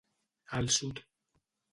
Al sud.